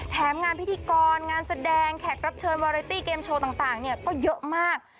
แถมงานพิธีกรงานแสดงแขกรับเชิญวาเรตี้เกมโชว์ต่างเนี่ยก็เยอะมาก